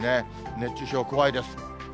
熱中症、怖いです。